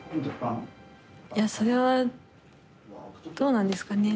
いやそれはどうなんですかね？